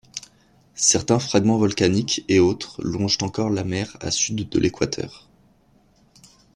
Certains fragments volcaniques et autres longent encore la mer à sud de l'équateur.